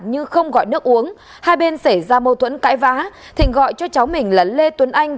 như không gọi nước uống hai bên xảy ra mâu thuẫn cãi vã thịnh gọi cho cháu mình là lê tuấn anh